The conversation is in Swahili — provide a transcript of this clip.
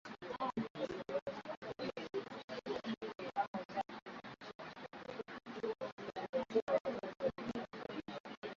Ni jengo la kidini la kale katika Afrika yote Mashariki